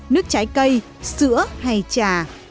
nước trái cây sữa hay trà